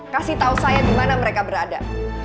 kasih tahu saya di mana mereka berada